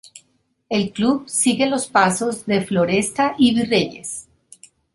El club sigue los pasos de Floresta y Virreyes.